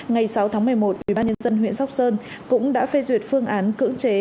ngày sáu tháng một mươi một ủy ban nhân dân huyện sóc sơn cũng đã phê duyệt phương án cưỡng chế